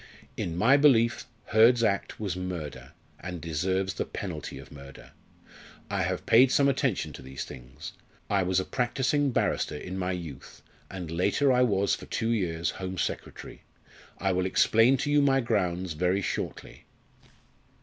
In my belief Hurd's act was murder, and deserves the penalty of murder. I have paid some attention to these things. I was a practising barrister in my youth, and later I was for two years Home Secretary. I will explain to you my grounds very shortly."